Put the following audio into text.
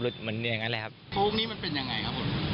โค้งนี้มันเป็นอย่างไรครับ